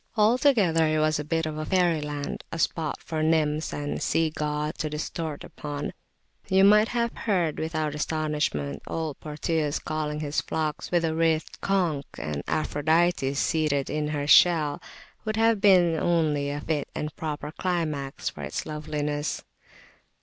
Altogether it was a bit of fairyland, a spot for nymphs and sea gods to disport upon: you might have heard, without astonishment, old Proteus calling his flocks with the writhed conch; and Aphrodite seated in her shell would have been only a fit and proper climax for its loveliness.